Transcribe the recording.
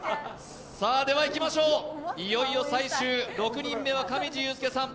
ではいきましょう、いよいよ最終６人目は上地雄輔さん。